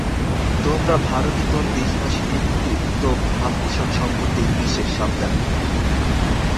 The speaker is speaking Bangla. তোমরা ভারতেতর দেশবাসীদের প্রতি উক্ত ভাবপোষণ সম্বন্ধে বিশেষ সাবধান হইও।